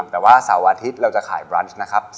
แต่ว่าเสาร์อาทิตย์เราจะขายบรนชนะครับ